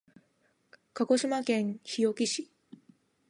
鹿児島県日置市